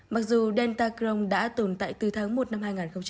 mặc dù delta crohn đã tồn tại từ tháng một năm hai nghìn hai mươi hai